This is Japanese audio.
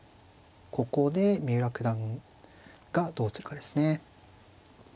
ここで三浦九段がどうするかですね。